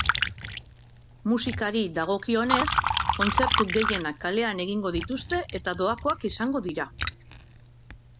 Musikari dagokionez, kontzertu gehienak kalean egingo dituzte eta doakoak izango dira.